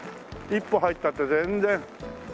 一歩入ったって全然。